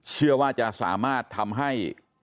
เชื่อว่าจะสามารถทำให้